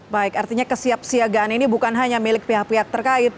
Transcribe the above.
baik artinya kesiapsiagaan ini bukan hanya milik pihak pihak terkait